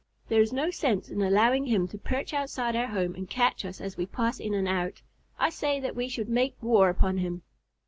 "There is no sense in allowing him to perch outside our home and catch us as we pass in and out. I say that we should make war upon him!"